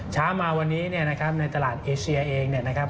เช้ามาวันนี้เนี่ยนะครับในตลาดเอเชียเองเนี่ยนะครับ